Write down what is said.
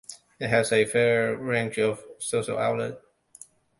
It has a fair range of social outlets.